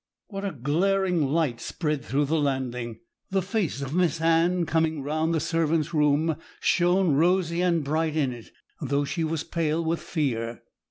What a glaring light spread through the landing! The face of Miss Anne coming from the servant's room shone rosy and bright in it, though she was pale with fear.